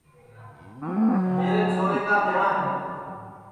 میرے چھورے کُا ٻیاں ہے